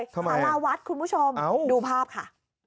เลยสาราวัฒน์คุณผู้ชมดูภาพค่ะ